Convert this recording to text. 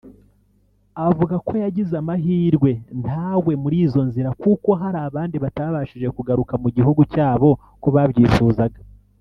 Avuga ko yagize amahirwe ntagwe muri izo nzira kuko hari abandi batabashije kugaruka mu gihugu cyabo uko babyifuzaga